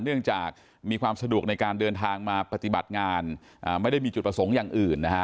เนื่องจากมีความสะดวกในการเดินทางมาปฏิบัติงานไม่ได้มีจุดประสงค์อย่างอื่นนะฮะ